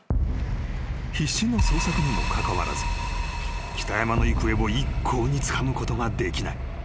［必死の捜索にもかかわらず北山の行方を一向につかむことができない］